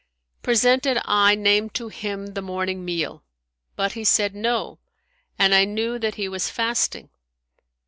Presented I named to him the morning meal; but he said, No;' and I knew that he was fasting.